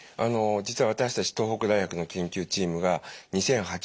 実は私たち東北大学の研究チームが２００８年前後にですね